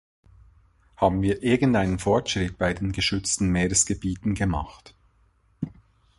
Haben wir irgendeinen Fortschritt bei den geschützten Meeresgebieten gemacht?